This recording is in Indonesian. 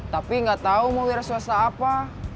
tapi nggak tahu mau wira swasta apa